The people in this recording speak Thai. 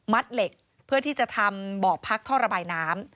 เหล็กเพื่อที่จะทำบ่อพักท่อระบายน้ำ